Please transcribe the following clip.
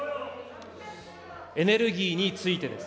エネルギーについてです。